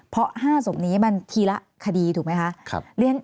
เพราะ๕ศพนี้มันทีละคดีถูกไหมคะ